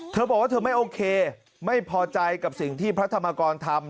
เธอบอกว่าเธอไม่โอเคไม่พอใจกับสิ่งที่พระธรรมกรทำ